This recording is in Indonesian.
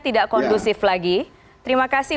tidak kondusif lagi terima kasih